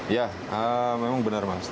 ya memang benar mas